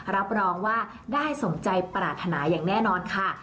รับรองว่าได้สมใจปรารถนาอย่างแน่นอนค่ะ